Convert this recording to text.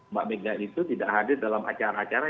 mbak mega itu tidak hadir dalam acara acara